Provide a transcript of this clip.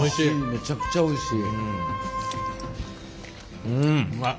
めちゃくちゃおいしい。